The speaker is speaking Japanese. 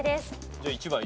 じゃあ１番。